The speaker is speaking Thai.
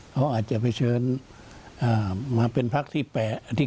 เขาอาจจะไปเชิญมาเป็นภักดิ์ที่๙๑๐